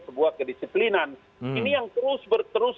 sebuah kedisiplinan ini yang terus berterus